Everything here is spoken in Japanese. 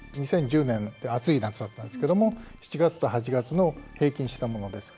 ２０１０年暑い夏だったんですけども７月と８月の平均したものです。